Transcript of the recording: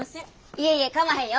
いえいえかまへんよ。